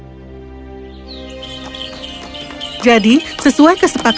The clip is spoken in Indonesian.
tahun tahun berlalu tidak ada yang bisa mematahkan mantra malfolia karena petunjuk kehancurannya telah terlambat